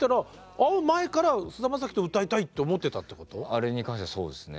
あれに関してはそうですね。